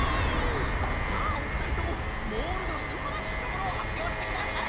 さあおふたりともモールのすんばらしいところをはっぴょうしてください！